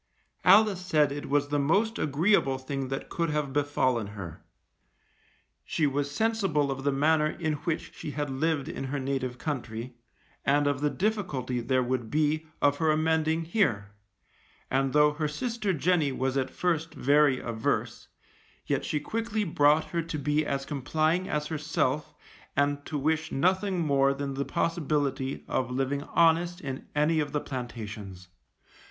Alice said it was the most agreeable thing that could have befallen her. She was sensible of the manner in which she had lived in her native country, and of the difficulty there would be of her amending here, and though her sister Jenny was at first very averse, yet she quickly brought her to be as complying as herself and to wish nothing more than the possibility of living honest in any of the plantations.